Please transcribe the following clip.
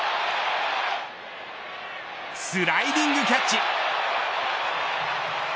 スライディングキャッチ。